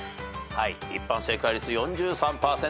一般正解率４３％。